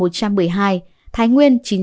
thái nguyên chín trăm chín mươi bảy